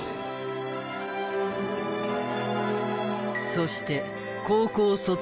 そして。